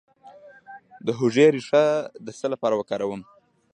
د هوږې ریښه د څه لپاره وکاروم؟